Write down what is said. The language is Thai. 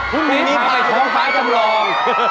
พรุ่งนี้นี่ไปท้องฟ้าจำลอง